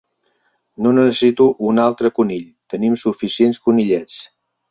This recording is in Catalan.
No necessito un altre conill. Tenim suficients conillets.